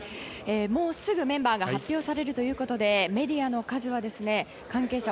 もうすぐメンバーが発表されるということでメディアの数は関係者